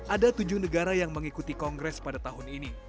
ada tujuh negara yang mengikuti kongres pada tahun ini